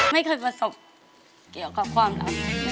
ไม่เคยเบาสมเกี่ยวกับความหลับ